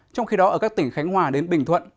trong khi đó ở các tỉnh khánh hòa đến bình thuận